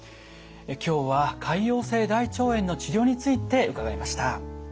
今日は潰瘍性大腸炎の治療について伺いました。